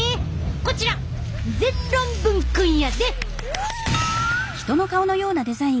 こちら全論文くんやで！